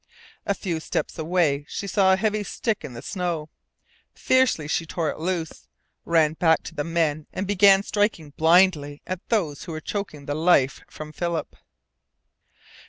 A few steps away she saw a heavy stick in the snow. Fiercely she tore it loose, ran back to the men, and began striking blindly at those who were choking the life from Philip.